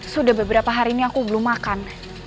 sudah beberapa hari ini aku belum makan